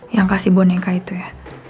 yang kasih boneka itu ya